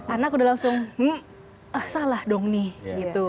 anak udah langsung salah dong nih gitu